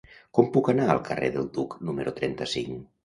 Com puc anar al carrer del Duc número trenta-cinc?